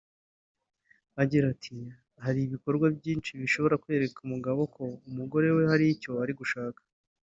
Agira ati “Hari ibikorwa byinshi bishobora kwereka umugabo ko umugore we hari icyo ari gushaka